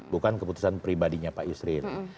bukan keputusan pribadinya pak yusril